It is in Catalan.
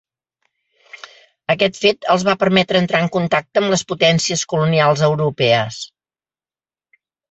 Aquest fet els va permetre entrar en contacte amb les potències colonials europees.